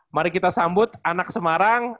mari kita sambut anak semarang